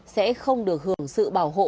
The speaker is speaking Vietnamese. sẽ không được hưởng sự bảo hộ